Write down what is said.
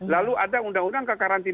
lalu ada undang undang kekarantina